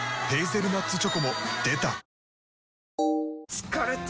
疲れた！